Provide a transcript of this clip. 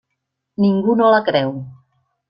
Ningú no la creu.